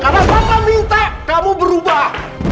karena papa minta kamu berubah